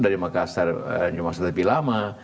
dari makassar cuma satu tepi lama